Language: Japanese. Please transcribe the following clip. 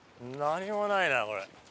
何もないなこれ。